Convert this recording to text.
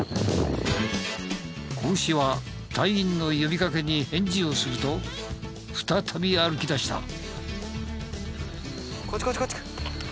子牛は隊員の呼びかけに返事をすると再び歩き出した。